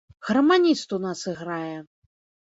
Гарманіст у нас іграе!